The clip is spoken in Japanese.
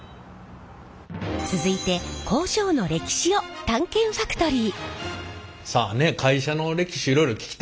続いて工場の歴史を探検ファクトリー！